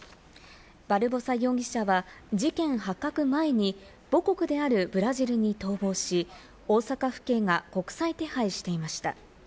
バルボサ容疑者は事件発覚前に母国であるブラジルに逃亡し、大阪府警が国際手配していました。